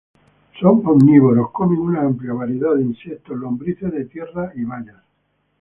Son omnívoros, comen una amplia variedad de insectos, lombrices de tierra y bayas.